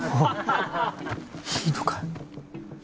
いいのか？